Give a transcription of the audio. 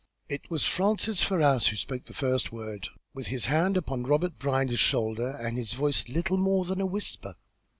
It was Francis Ferrars who spoke the first word, with his hand upon Robert Brierly's shoulder, and his voice little more than a whisper.